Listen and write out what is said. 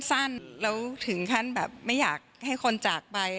สั้นแล้วถึงขั้นแบบไม่อยากให้คนจากไป